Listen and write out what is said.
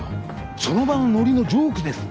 その場のノリのジョークですって。